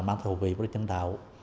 mang thai hộ về với chân đạo